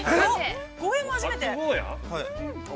◆ゴーヤも初めて？